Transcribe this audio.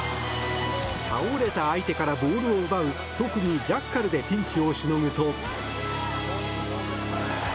倒れた相手からボールを奪う特技、ジャッカルでピンチをしのぐと。